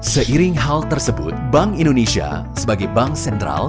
seiring hal tersebut bank indonesia sebagai bank sentral